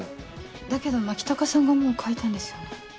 だけど牧高さんがもう描いたんですよね？